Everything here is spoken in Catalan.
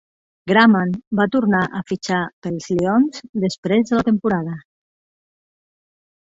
Graman va tornar a fitxar pels Lions després de la temporada.